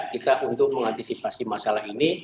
kita untuk mengantisipasi masalah ini